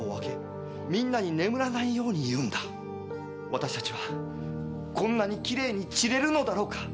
「私たちはこんなに綺麗に散れるのだろうか？」